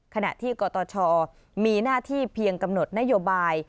ขณะที่กตชมีหน้าที่เพียงกำหนดนโยบาย